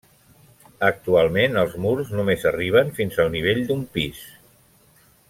Actualment els murs només arriben fins al nivell d'un pis.